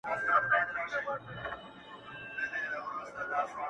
پېښه ټول کلي لړزوي ډېر,